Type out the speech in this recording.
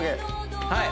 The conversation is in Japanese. はい